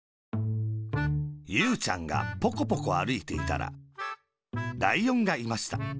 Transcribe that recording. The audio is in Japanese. ゆうちゃんがポコポコあるいていたら、ライオンがいました。